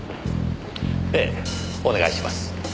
ええお願いします。